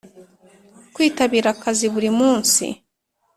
kwitabira akazi buri munsi